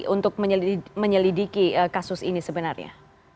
untuk menyelidiki kasus ini sebenarnya